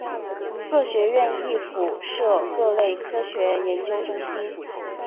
各学院亦附设各类科学研究中心。